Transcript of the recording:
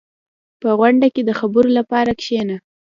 • په غونډه کې د خبرو لپاره کښېنه.